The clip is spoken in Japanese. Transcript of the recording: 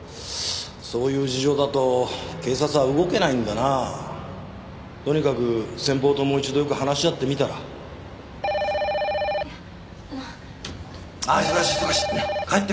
そういう事情だと警察は動けないんだなとにかく先方ともう一度よく話し合っ・☎いやあのああ忙しい忙しい帰って！